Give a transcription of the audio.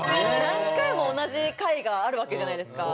何回も同じ回があるわけじゃないですか。